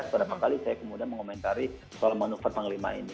berapa kali saya kemudian mengomentari soal manuver panglima ini